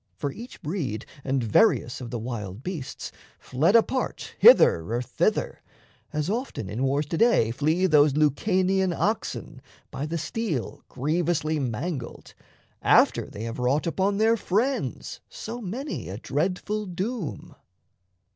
For each breed And various of the wild beasts fled apart Hither or thither, as often in wars to day Flee those Lucanian oxen, by the steel Grievously mangled, after they have wrought Upon their friends so many a dreadful doom.